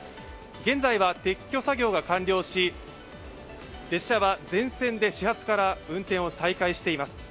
現在は撤去作業が完了し、列車は全線で始発から運転を再開しています。